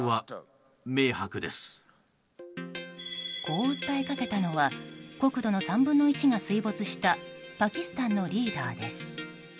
こう訴えかけたのは国土の３分の１が水没したパキスタンのリーダーです。